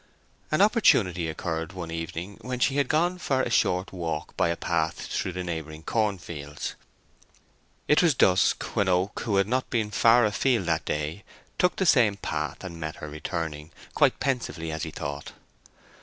An opportunity occurred one evening when she had gone for a short walk by a path through the neighbouring cornfields. It was dusk when Oak, who had not been far a field that day, took the same path and met her returning, quite pensively, as he thought.